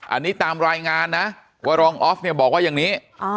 อันนี้ตามรายงานนะว่ารองออฟเนี่ยบอกว่าอย่างนี้